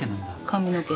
髪の毛。